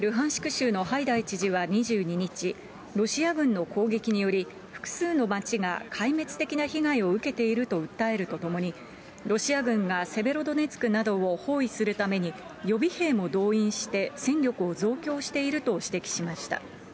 州のハイダイ知事は２２日、ロシア軍の攻撃により、複数の町が壊滅的な被害を受けていると訴えるとともに、ロシア軍がセベロドネツクなどを包囲するために、予備兵も動員して、戦力を増強していると指摘しました。